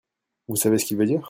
Vous savez ce qu'il veut dire ?